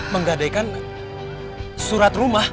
menggadaikan surat rumah